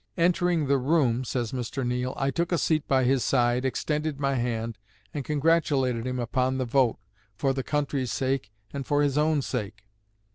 "Entering the room," says Mr. Neill, "I took a seat by his side, extended my hand, and congratulated him upon the vote, for the country's sake and for his own sake.